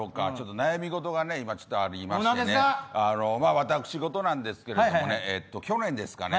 悩み事が今ちょっとありまして私事なんですけれどもね去年ですかね